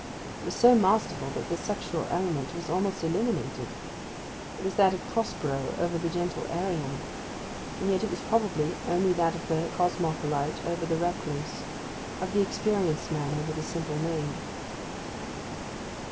It was so masterful that the sexual element was almost eliminated. It was that of Prospero over the gentle Ariel. And yet it was probably only that of the cosmopolite over the recluse, of the experienced man over the simple maid.